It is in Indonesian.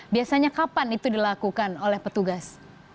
biasanya kapan itu dilakukan oleh petugas